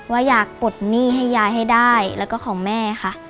ว่าอยากปลดหนี้ให้ยายให้ได้แล้วก็ของแม่ค่ะ